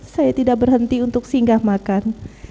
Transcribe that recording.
saya tidak berhenti untuk singgah makan